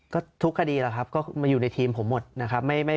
ก็ทุกคดีแหละครับก็มาอยู่ในทีมผมหมดนะครับ